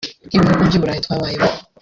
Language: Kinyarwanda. nk’ibi bihugu by’i Burayi twabayemo